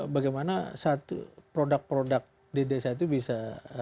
bagaimana satu produk produk di desa itu bisa